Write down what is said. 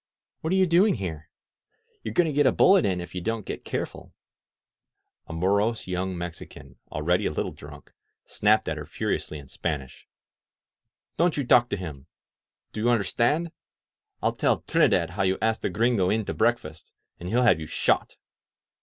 "What are you doing here? You're going to get a bullet in you if you don't get careful !" A morose young Mexican, already a little drunk, snapped at her furiously in Spanish : "Don't you talk to him! Do you understand? I'll tell Trinidad how you asked the Gringo in to breakfast, and he'll have you shot!"